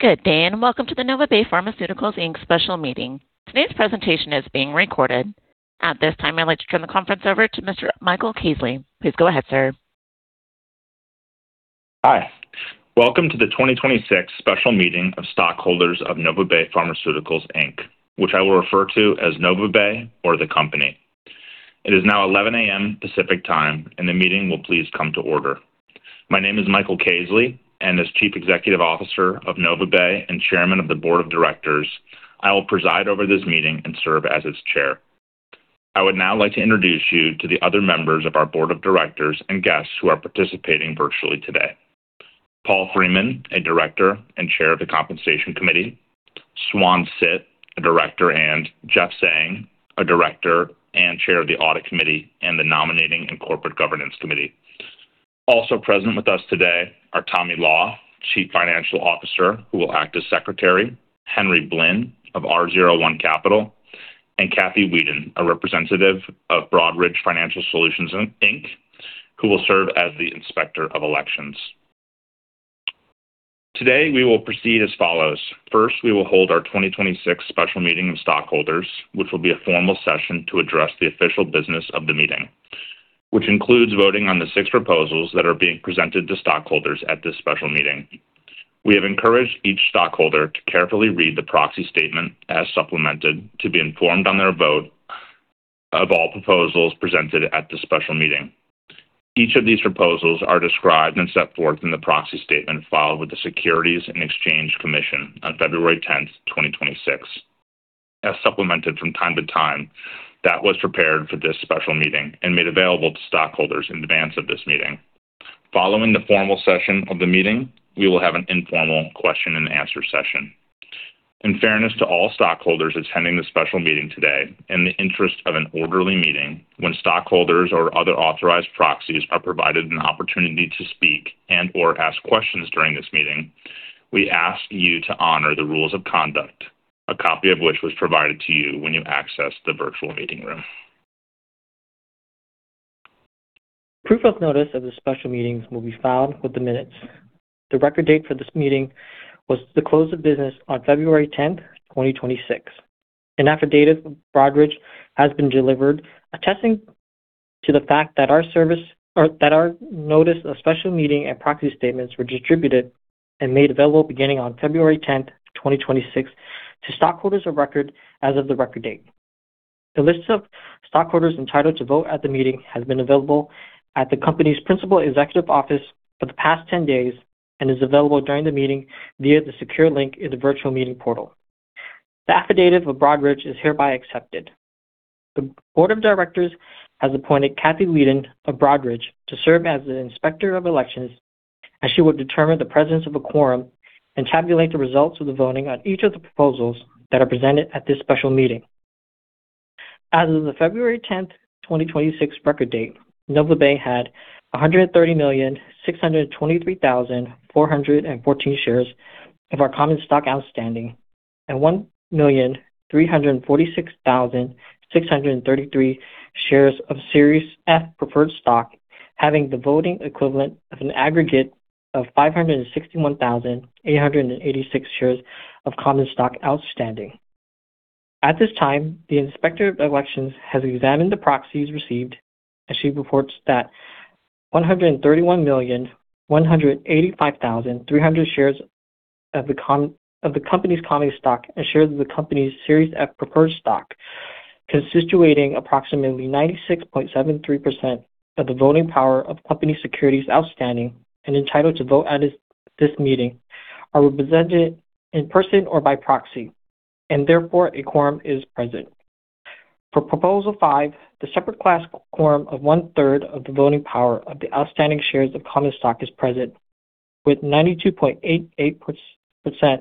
Good day, and welcome to the NovaBay Pharmaceuticals, Inc. special meeting. Today's presentation is being recorded. At this time, I'd like to turn the conference over to Mr. Michael Kazley. Please go ahead, sir. Hi. Welcome to the 2026 special meeting of stockholders of NovaBay Pharmaceuticals, Inc., which I will refer to as NovaBay or the Company. It is now 11 a.m. Pacific Time, and the meeting will please come to order. My name is Michael Kazley, and as Chief Executive Officer of NovaBay and Chairman of the Board of Directors, I will preside over this meeting and serve as its Chair. I would now like to introduce you to the other members of our Board of Directors and guests who are participating virtually today. Paul E. Freiman, a director and Chair of the Compensation Committee. Swan Sit, a director, and Yenyou (Jeff) Zheng, a director and Chair of the Audit Committee and the Nominating and Corporate Governance Committee. Also present with us today are Tommy Law, Chief Financial Officer, who will act as Secretary. Henry Blinn of ROI Capital, and Kathy Weeden, a representative of Broadridge Financial Solutions, Inc., who will serve as the Inspector of Elections. Today, we will proceed as follows. First, we will hold our 2026 special meeting of stockholders, which will be a formal session to address the official business of the meeting, which includes voting on the six proposals that are being presented to stockholders at this special meeting. We have encouraged each stockholder to carefully read the Proxy Statement as supplemented to be informed on their vote of all proposals presented at this special meeting. Each of these proposals are described and set forth in the Proxy Statement filed with the U.S. Securities and Exchange Commission on February 10, 2026, as supplemented from time to time that was prepared for this special meeting and made available to stockholders in advance of this meeting. Following the formal session of the meeting, we will have an informal question-and-answer session. In fairness to all stockholders attending the Special Meeting today, in the interest of an orderly meeting, when stockholders or other authorized proxies are provided with an opportunity to speak and/or ask questions during this meeting, we ask you to honor the Rules of Conduct, a copy of which was provided to you when you accessed the virtual meeting room. Proof of notice of the special meetings will be filed with the minutes. The record date for this meeting was the close of business on February 10, 2026. An affidavit from Broadridge has been delivered attesting to the fact that our servicer that our Notice of Special Meeting and Proxy Statement, which were distributed and made available beginning on February 10, 2026 to stockholders of record as of the record date. The list of stockholders entitled to vote at the meeting has been available at the Company's principal executive office for the past 10 days and is available during the meeting via the secure link in the virtual meeting portal. The affidavit of Broadridge is hereby accepted. The Board of Directors has appointed Kathy Weeden of Broadridge to serve as the Inspector of Elections, and she will determine the presence of a quorum and tabulate the results of the voting on each of the proposals that are presented at this Special Meeting. As of the February 10, 2026 record date, NovaBay had 130,623,414 shares of our common stock outstanding and 1,346,633 shares of Series F Preferred Stock, having the voting equivalent of an aggregate of 561,886 shares of Common Stock outstanding. At this time, the Inspector of Elections has examined the proxies received, and she reports that 131,185,300 shares of the oCmpany's Common Stock and shares of the Company's Series F Preferred Stock, constituting approximately 96.73% of the voting power of Company securities outstanding and entitled to vote at this meeting, are represented in person or by proxy, and therefore a quorum is present. For Proposal Five, the separate class quorum of one-third of the voting power of the outstanding shares of Common Stock is present, with 92.88%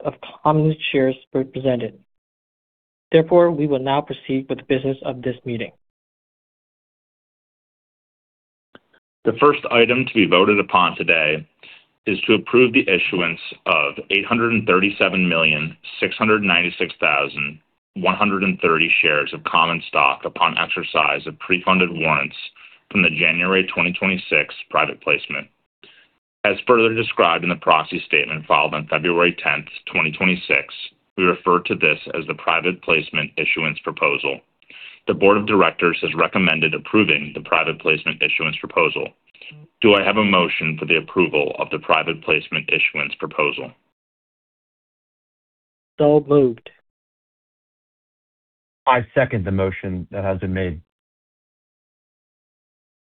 of common shares represented. Therefore, we will now proceed with the business of this meeting. The first item to be voted upon today is to approve the issuance of 837,696,130 shares of Common Stock upon exercise of Pre-Funded Warrants from the Private Placement Issuance Proposal. as further described in the Proxy Statement filed on February 10, 2026, we refer to this as the Private Placement Issuance Proposal. The Board of Directors has recommended approving the Private Placement Issuance Proposal. Do I have a motion for the approval of the Private Placement Issuance Proposal? Moved. I second the motion that has been made.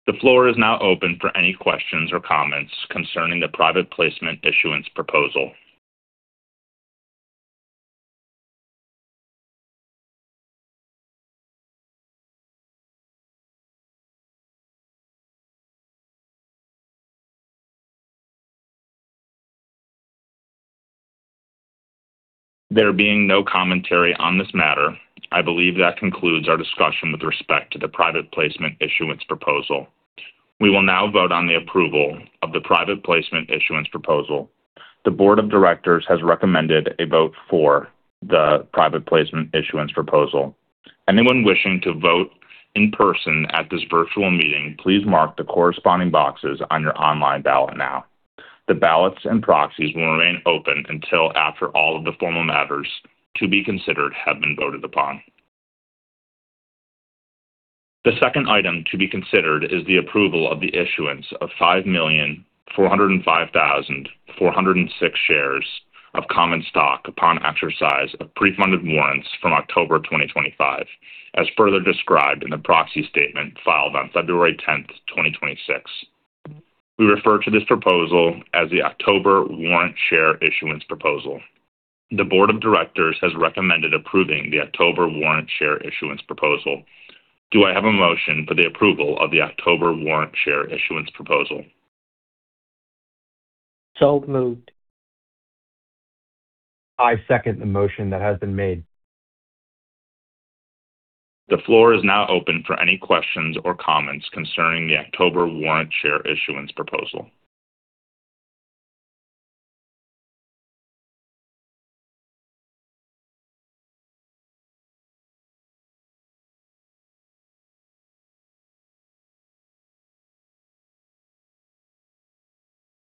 The floor is now open for any questions or comments concerning the Private Placement Issuance Proposal. There being no commentary on this matter, I believe that concludes our discussion with respect to the Private Placement Issuance Proposal. We will now vote on the approval of the Private Placement Issuance roposal. The Board of Directors has recommended a vote for the Private Placement Issuance Proposal. anyone wishing to vote in person at this virtual meeting, please mark the corresponding boxes on your online ballot now. The ballots and proxies will remain open until after all of the formal matters to be considered have been voted upon. The second item to be considered is the approval of the issuance of 5,405,406 shares of Common Stock upon exercise of pre-funded warrants from October 2025, as further described in the Proxy Statement filed on February 10, 2026. We refer to this proposal as the October Warrant Share Issuance Proposal. The Board of Directors has recommended approving the October Warrant Share Issuance Proposal. Do I have a motion for the approval of the October Warrant Share Issuance Proposal? Moved. I second the motion that has been made. The floor is now open for any questions or comments concerning the October Warrant Share Issuance Proposal.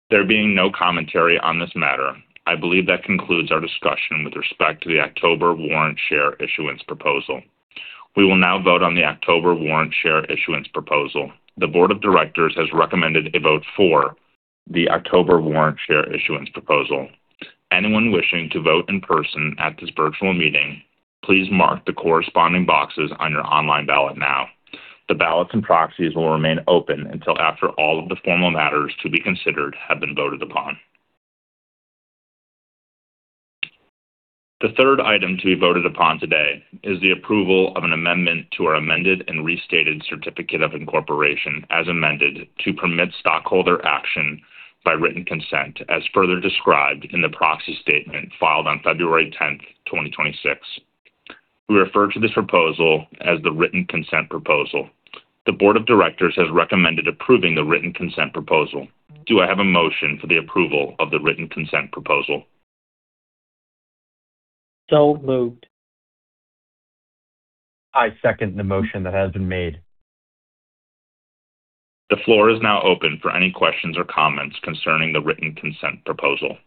There being no commentary on this matter, I believe that concludes our discussion with respect to the October Warrant Share Issuance Proposal. We will now vote on the October Warrant Share Issuance Proposal. The Board of Directors has recommended a vote for the October Warrant Share Issuance Proposal. Anyone wishing to vote in person at this virtual meeting, please mark the corresponding boxes on your online ballot now. The ballots and proxies will remain open until after all of the formal matters to be considered have been voted upon. The third item to be voted upon today is the approval of an amendment to our amended and restated certificate of incorporation as amended to permit stockholder action by written consent, as further described in the Proxy Statement filed on February 10, 2026. We refer to this proposal as the Written Consent Proposal?. The Board of Directors has recommended approving the Written Consent Proposal?. Do I have a motion for the approval of the Written Consent Proposal?? Moved. I second the motion that has been made. The floor is now open for any questions or comments concerning the Written Consent Proposal?.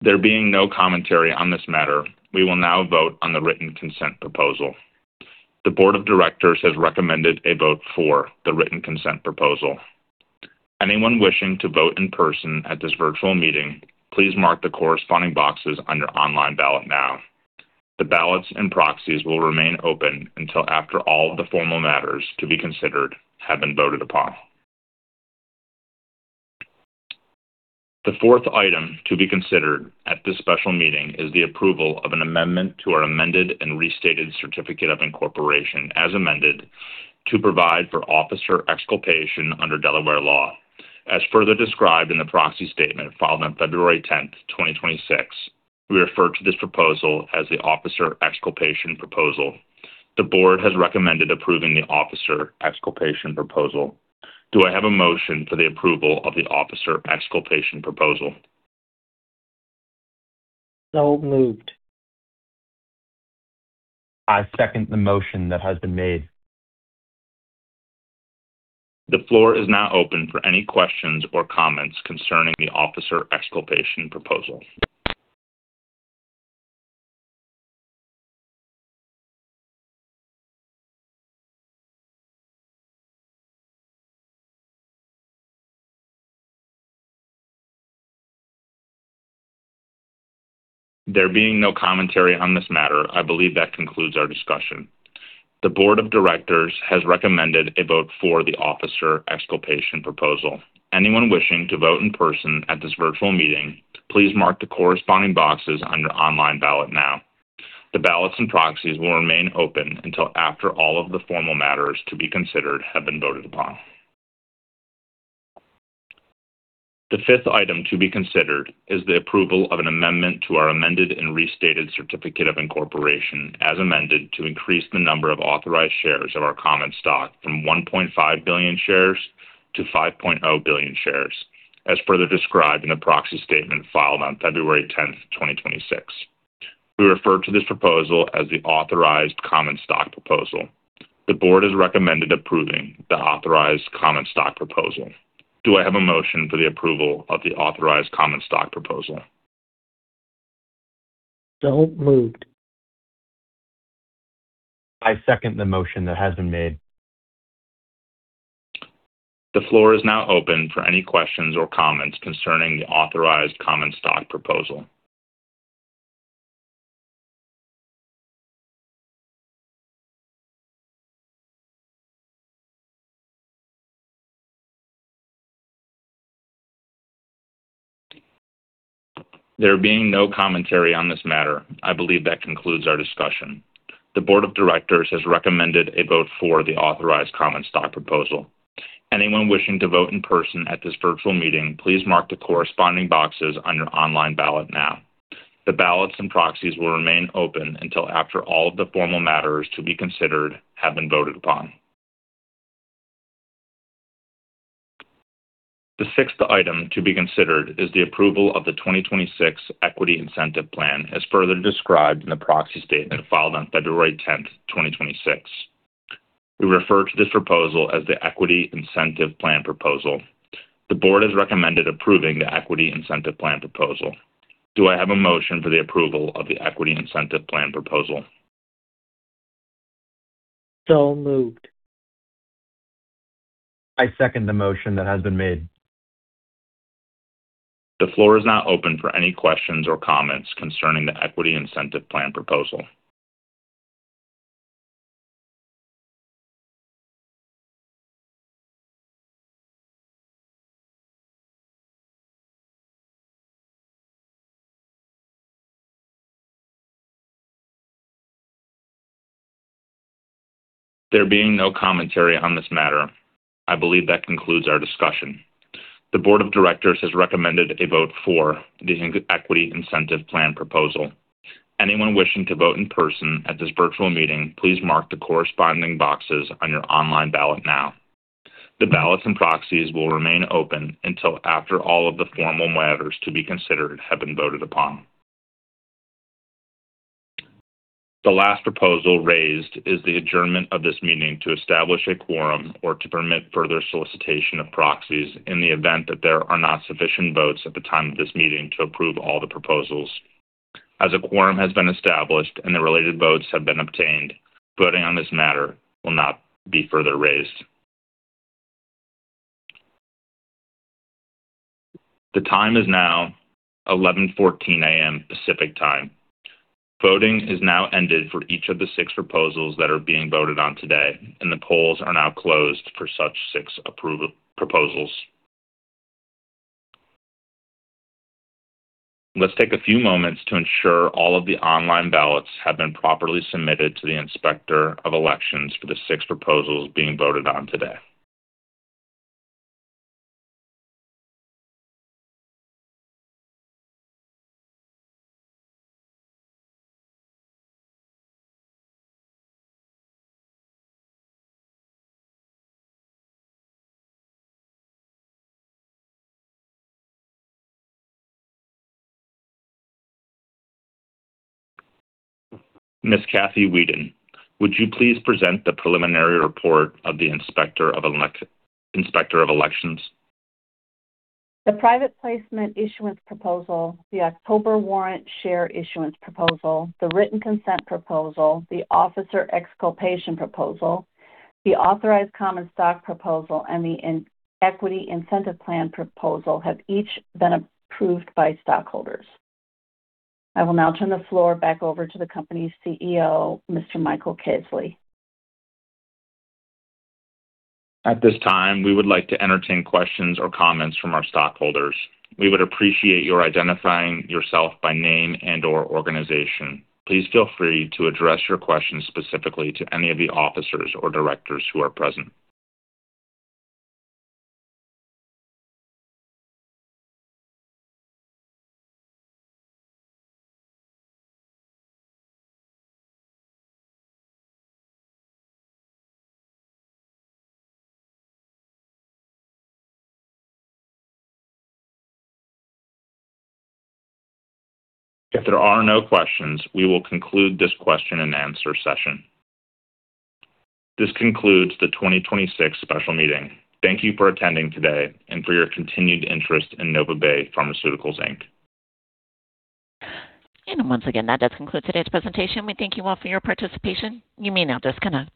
There being no commentary on this matter, we will now vote on the Written Consent Proposal?. The Board of Directors has recommended a vote for the Written Consent Proposal?. Anyone wishing to vote in person at this virtual meeting, please mark the corresponding boxes on your online ballot now. The ballots and proxies will remain open until after all the formal matters to be considered have been voted upon. The fourth item to be considered at this special meeting is the approval of an amendment to our amended and restated certificate of incorporation as amended to provide for officer exculpation under Delaware law. As further described in the Proxy Statement filed on February 10, 2026. We refer to this proposal as the Officer Exculpation Proposal. The Board of Directors has recommended approving the Officer Exculpation Proposal. Do I have a motion for the approval of the Officer Exculpation Proposal? Moved. I second the motion that has been made. The floor is now open for any questions or comments concerning the Officer Exculpation Proposal. There being no commentary on this matter, I believe that concludes our discussion. The Board of Directors has recommended a vote for the Officer Exculpation Proposal. Anyone wishing to vote in person at this virtual meeting, please mark the corresponding boxes on your online ballot now. The ballots and proxies will remain open until after all of the formal matters to be considered have been voted upon. The fifth item to be considered is the approval of an amendment to our amended and restated certificate of incorporation as amended to increase the number of authorized shares of our common stock from 1.5 billion shares to 5.0 billion shares as further described in the Proxy Statement filed on February 10, 2026. We refer to this proposal as the Authorized Common Stock Proposal. The Board of Directors has recommended approving the Authorized Common Stock Proposal. Do I have a motion for the approval of the Authorized Common Stock Proposal? Moved. I second the motion that has been made. The floor is now open for any questions or comments Authorized Common Stock Proposal. There being no commentary on this matter, I believe that concludes our discussion. The Board of Directors has recommended a vote Authorized Common Stock Proposal. Anyone wishing to vote in person at this virtual meeting, please mark the corresponding boxes on your online ballot now. The ballots and proxies will remain open until after all of the formal matters to be considered have been voted upon. The sixth item to be considered is the approval of the 2026 equity incentive plan, as further described in the Proxy Statement filed on February 10, 2026. We refer to this proposal as the Equity Incentive Plan Proposal. The board has recommended approving the Equity Incentive Plan Proposal. Do I have a motion for the approval of the Equity Incentive Plan Proposal? Moved. I second the motion that has been made. The floor is now open for any questions or comments concerning the Equity Incentive Plan Proposal. There being no commentary on this matter, I believe that concludes our discussion. The Board of Directors has recommended a vote for the Equity Incentive Plan Proposal. Anyone wishing to vote in person at this virtual meeting, please mark the corresponding boxes on your online ballot now. The ballots and proxies will remain open until after all of the formal matters to be considered have been voted upon. The last proposal raised is the adjournment of this meeting to establish a quorum or to permit further solicitation of proxies in the event that there are not sufficient votes at the time of this meeting to approve all the proposals. As a quorum has been established and the related votes have been obtained, voting on this matter will not be further raised. The time is now 11:14 a.m. Pacific Time. Voting has now ended for each of the six proposals that are being voted on today, and the polls are now closed for such six approval proposals. Let's take a few moments to ensure all of the online ballots have been properly submitted to the Inspector of Elections for the six proposals being voted on today. Miss Kathy Weeden, would you please present the preliminary report of the Inspector of Elections? The Private Placement Issuance Proposal, the October Warrant Share Issuance Proposal, the Written Consent Proposal, the Authorized Common Stock Proposal, and the Equity Incentive Plan Proposal have each been approved by stockholders. I will now turn the floor back over to the company's CEO, Mr. Michael Kazley. At this time, we would like to entertain questions or comments from our stockholders. We would appreciate your identifying yourself by name and/or organization. Please feel free to address your questions specifically to any of the officers or directors who are present. If there are no questions, we will conclude this question and answer session. This concludes the 2026 special meeting. Thank you for attending today and for your continued interest in NovaBay Pharmaceuticals, Inc. Once again, that does conclude today's presentation. We thank you all for your participation. You may now disconnect.